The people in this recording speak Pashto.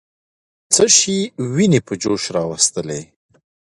څه شی ويني په جوش راوستلې؟